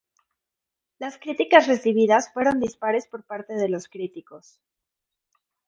Las críticas recibidas fueron dispares por parte de los críticos.